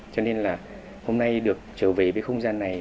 cho nên là hôm nay được trở về với không gian này